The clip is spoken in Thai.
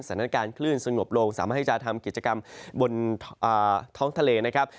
สถานการณ์คลื่นสงบลงสามารถให้จะทำกิจกรรมบนท้องทะเลนะครับ